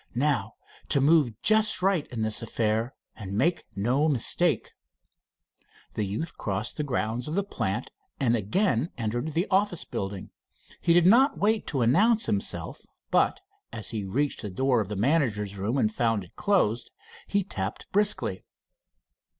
"Now to move just right in this affair and make no mistake." The youth crossed the grounds of the plant and again entered the office building. He did not wait to announce himself, but, as he reached the door of the manager's room and found it closed, he tapped briskly.